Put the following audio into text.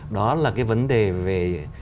đó là cái vấn đề về